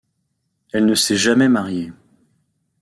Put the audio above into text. Elle ne s'est jamais mariée.